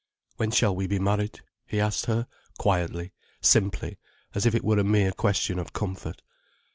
"When shall we be married?" he asked her, quietly, simply, as if it were a mere question of comfort.